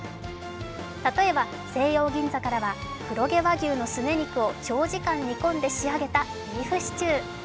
例えば、西洋銀座からは黒毛和牛のすね肉を長時間煮込んで仕上げたビーフシチュー。